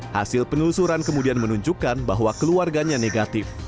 hasil penelusuran kemudian menunjukkan bahwa keluarganya negatif